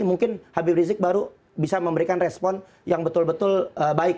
mungkin habib rizik baru bisa memberikan respon yang betul betul baik